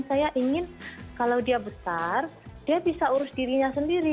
saya ingin kalau dia besar dia bisa urus dirinya sendiri